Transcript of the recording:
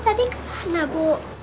eva tadi kesana bu